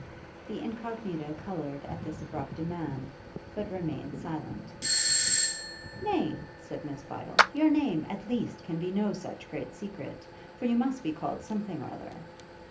The Incognita coloured at this abrupt demand, but remained silent. 'Nay,' said Miss Bydel, 'your name, at least, can be no such great secret, for you must be called something or other.'